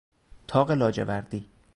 طاق لاجوردی